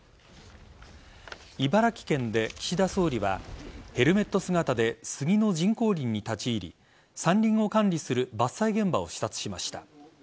茨城県で岸田総理はヘルメット姿で杉の人工林に立ち入り山林を管理する伐採現場を視察しました。